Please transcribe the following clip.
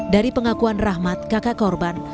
dari pengakuan rahmat kakak korban